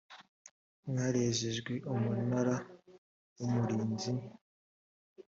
mwarejejwe umunara w umurinzi